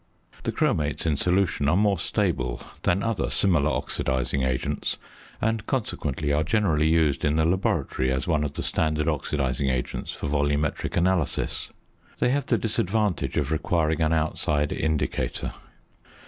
The chromates in solution are more stable than other similar oxidising agents, and consequently are generally used in the laboratory as one of the standard oxidising agents for volumetric analysis. They have the disadvantage of requiring an outside indicator.